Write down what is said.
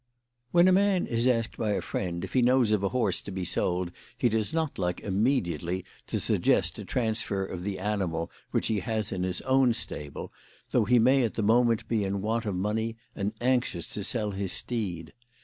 WHEN a man is asked by his friend if lie knows of a horse to be sold lie does not like immediately to suggest a transfer of the animal which he has in his own stable, though he may at the moment be in want of money and anxious to sell his steed.